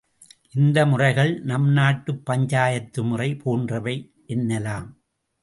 இந்த முறைகள் நம் நாட்டுப் பஞ்சாயத்து முறை போன்றவை என்னலாம்.